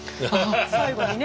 最後にね。